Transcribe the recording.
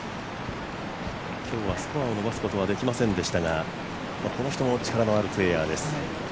今日はスコアを伸ばすことはできませんでしたがこの人も力のあるプレーヤーです。